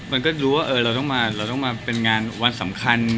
มันก็รู้ว่าเราต้องมาเป็นงานวันสำคัญ